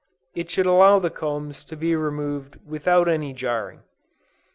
It should allow the combs to be removed without any jarring.